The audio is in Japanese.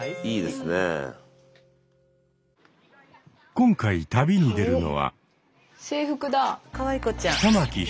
今回旅に出るのは。